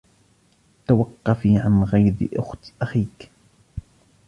توقفي عن غيظ أخيكِ!